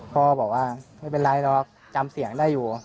ก็บอกว่าไม่เป็นไรหรอกจำเสียงได้อยู่